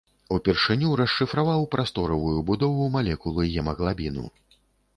Упершыню расшыфраваў прасторавую будову малекулы гемаглабіну.